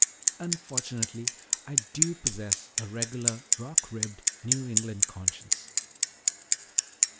Unfortunately I do possess a regular rock ribbed New England conscience."